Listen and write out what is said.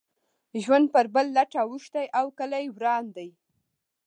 ژوند پر بل لټ اوښتی او کلی وران دی.